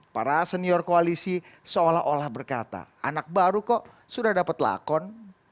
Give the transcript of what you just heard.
para senior koalisi seolah olah berkata anak baru kok sudah dapat lakon